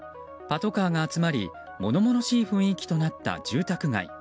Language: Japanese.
パトカーが集まり物々しい雰囲気となった住宅街。